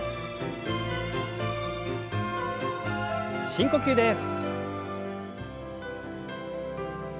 深呼吸です。